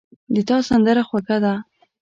د تا سندره خوږه ده